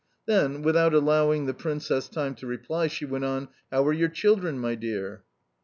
Then, without allowing the Princess time to reply, she went on: "How are your children my dear?"